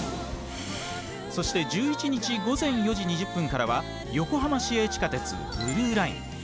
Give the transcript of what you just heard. そして１１日、午前４時２０分からは「横浜市営地下鉄ブルーライン」。